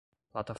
plataforma